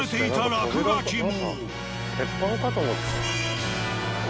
落書きも。